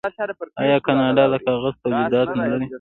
آیا کاناډا د کاغذ تولیدات نلري؟